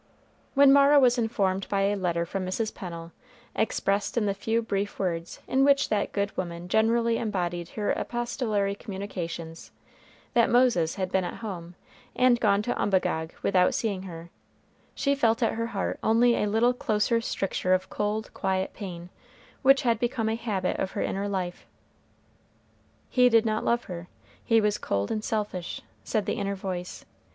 When Mara was informed by a letter from Mrs. Pennel, expressed in the few brief words in which that good woman generally embodied her epistolary communications, that Moses had been at home, and gone to Umbagog without seeing her, she felt at her heart only a little closer stricture of cold, quiet pain, which had become a habit of her inner life. "He did not love her he was cold and selfish," said the inner voice.